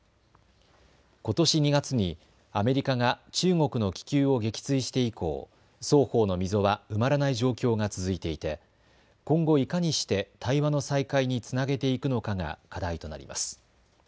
ことし２月にアメリカが中国の気球を撃墜して以降、双方の溝は埋まらない状況が続いていて今後いかにして対話の再開につなげていくのかが課題となります。